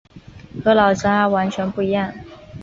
和老家完全不一样